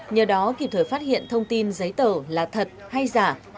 nhờ đó kịp thời phát hiện thông tin giấy tờ là thật hay giả